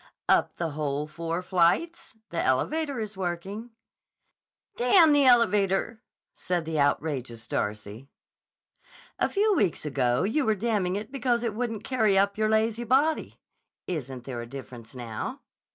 "Up the whole four flights? The elevator is working." "D——n the elevator!" said the outrageous Darcy. "A few weeks ago you were damning it because it wouldn't carry up your lazy body. Isn't there a difference now?"